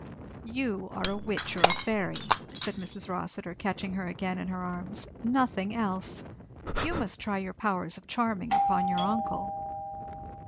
"You are a witch or a fairy," said Mrs. Rossitur, catching her again in her arms, "nothing else! You must try your powers of charming upon your uncle."